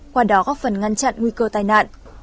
qua đó góp phần ngăn chặn nguy cơ tai nạn